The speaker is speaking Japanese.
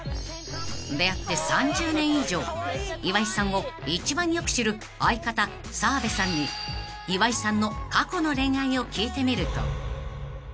［岩井さんを一番よく知る相方澤部さんに岩井さんの過去の恋愛を聞いてみると］